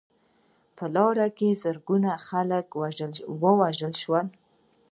په لاره کې زرګونه خلک ووژل شول.